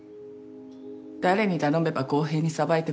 誰に頼めば公平に裁いてくれる？